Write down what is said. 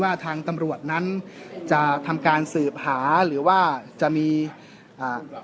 ว่าทางตำรวจนั้นจะทำการสืบหาหรือว่าจะมีอ่า